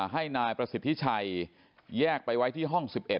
ให้นายประสิทธิชัยแยกไปไว้ที่ห้อง๑๑